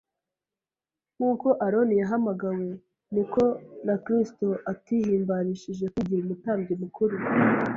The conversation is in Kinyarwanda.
nk’uko Aroni yahamagawe. Ni ko na Kristo atihimbarishije kwigira Umutambyi mukuru,